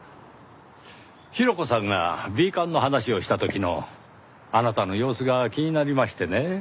ヒロコさんがＢ勘の話をした時のあなたの様子が気になりましてねぇ。